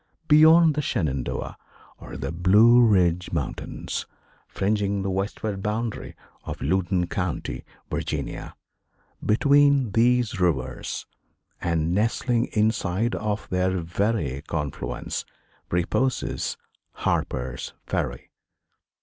Beyond the Shenandoah are the Blue Ridge mountains, fringing the westward boundary of Loudon County, Virginia. Between these rivers, and nestling inside of their very confluence, reposes Harper's Ferry.